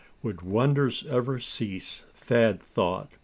Would wonders ever cease, Thad thought?